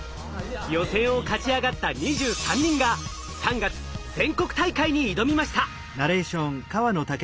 予選を勝ち上がった２３人が３月全国大会に挑みました。